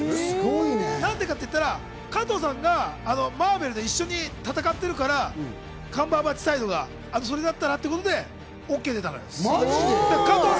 なんでかって言ったら、加藤さんがマーベルで一緒に戦ってるから、カンバーバッチサイドがそれだったらってことですごいね！